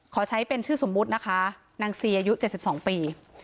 ขอใช้เป็นชื่อสมมุตินะคะนางซีอายุ๗๒ปี